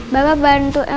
bapak bantu om randy ya